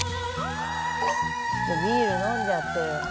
ビール飲んじゃってる。